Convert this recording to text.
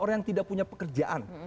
orang yang punya pekerjaan